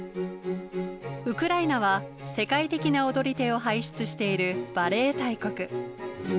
ウクライナは世界的な踊り手を輩出しているバレエ大国。